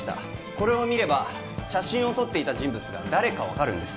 これを見れば写真を撮っていた人物が誰か分かるんです